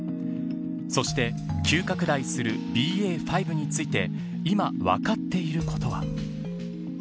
そして、急拡大するＢＡ．５について今、分かっていることは。